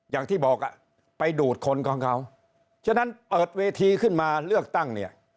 อย่างที่บอกอ่ะไปดูดคนของเขาฉะนั้นเปิดเวทีขึ้นมาเลือกตั้งเนี่ย